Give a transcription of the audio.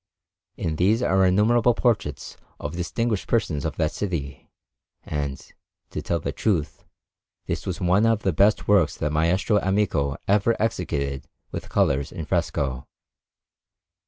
In these are innumerable portraits of distinguished persons of that city; and, to tell the truth, this was one of the best works that Maestro Amico ever executed with colours in fresco.